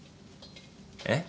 えっ？